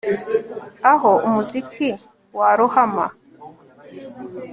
aho umuziki warohama